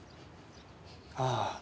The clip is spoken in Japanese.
ああ。